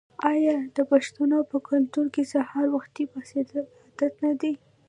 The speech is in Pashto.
آیا د پښتنو په کلتور کې سهار وختي پاڅیدل عادت نه دی؟